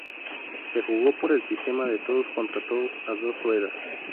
Se jugó por el sistema de todos contra todos, a dos ruedas.